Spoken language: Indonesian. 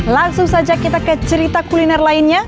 langsung saja kita ke cerita kuliner lainnya